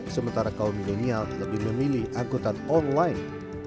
sementara kaum milenial lebih memilih angkutan online